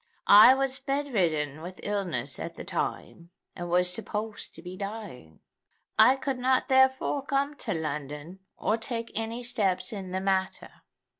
I was bed ridden with illness at the time, and was supposed to be dying. I could not therefore come to London, or take any steps in the matter.